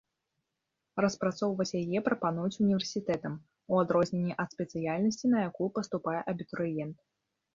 Распрацоўваць яе прапануюць універсітэтам, у адрозненні ад спецыяльнасці на якую паступае абітурыент.